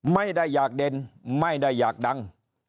ไม่ได้อยากเด่นไม่ได้อยากดัง